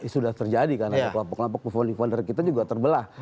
sudah terjadi karena kelompok kelompok perempuan daripada kita juga terbelah